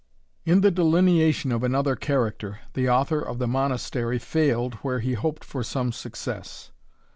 In the delineation of another character, the author of the Monastery failed, where he hoped for some success.